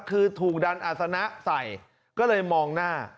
คือถูกดันอาศนะใส่ก็เลยมองหน้า